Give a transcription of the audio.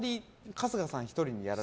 春日さん